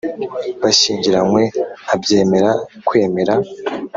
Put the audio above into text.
bashyingiranywe abyemera Kwemera